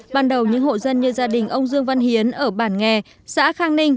ban đầu những hộ dân như gia đình ông dương văn hiến ở bản nghè xã khang ninh